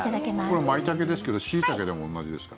これはマイタケですけどシイタケでも同じですか？